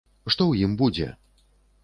Што ў ім будзе?